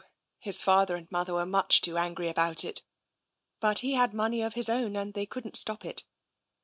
His father and mother were much too angry about it, but he had money of his own and they couldn't stop it.